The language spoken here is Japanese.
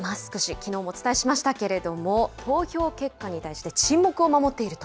きのうもお伝えしましたけれども、投票結果に対して沈黙を守っていると。